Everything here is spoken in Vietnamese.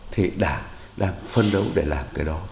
thì đảng đang phân đấu để làm cái đó